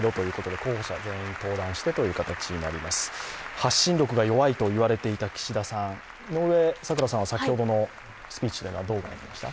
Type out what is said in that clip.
発信力が弱いといわれていた岸田さん井上咲楽さんは先ほどのスピーチどう御覧になりました？